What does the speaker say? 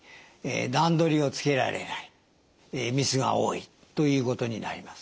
段取りをつけられないミスが多いということになります。